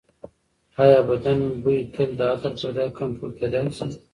ایا بدن بوی تل د عطر پرځای کنټرول کېدی شي؟